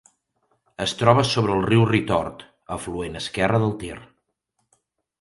Es troba sobre el riu Ritort, afluent esquerre del Ter.